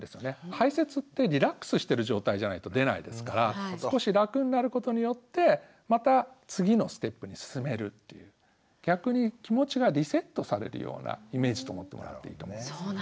排泄ってリラックスしてる状態じゃないと出ないですから少し楽になることによってまた次のステップに進めるっていう逆に気持ちがリセットされるようなイメージと思ってもらうといいと思いますね。